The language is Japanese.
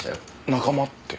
仲間って？